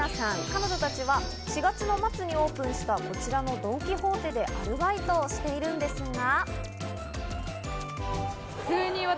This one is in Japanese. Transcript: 彼女たちは４月の末にオープンした、こちらのドン・キホーテでアルバイトをしているんですが。